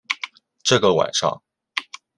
这个晚上